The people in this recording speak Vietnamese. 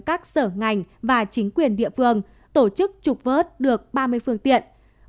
các sở ngành và chính quyền địa phương tổ chức trục vớt được ba mươi phương tiện